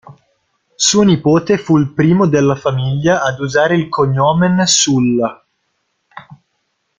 Suo nipote fu il primo della famiglia ad usare il "cognomen" "Sulla".